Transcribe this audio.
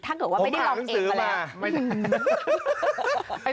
ถ้าเกิดว่าไม่ได้ลองเองมาแล้ว